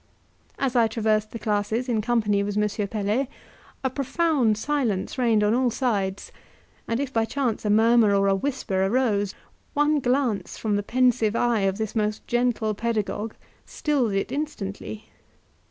As I traversed the classes in company with M. Pelet, a profound silence reigned on all sides, and if by chance a murmur or a whisper arose, one glance from the pensive eye of this most gentle pedagogue stilled it instantly.